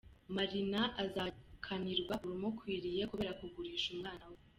Marina azakanirwa urumukwiriye kubera kugurisha umwana we.